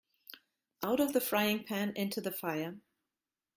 Out of the frying-pan into the fire.